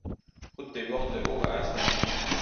Route des Bordes de Haut à Hastingues